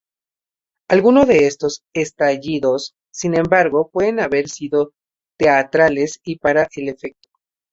Algunos de estos estallidos, sin embargo, pueden haber sido teatrales y para el efecto.